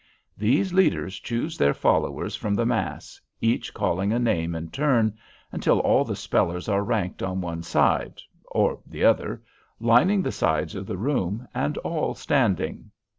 These leaders choose their followers from the mass, each calling a name in turn, until all the spellers are ranked on one side or the other, lining the sides of the room, and all standing.